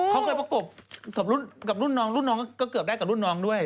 เขาเคยประกบรุ่นกับรุ่นน้องรุ่นน้องก็เกือบได้กับรุ่นน้องด้วย